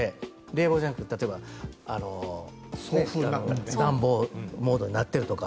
冷房じゃなくて暖房モードになっているとか。